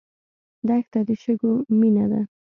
دښته د شګو مینه ده.